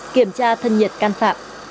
kiểm tra thân nhiệt can phạm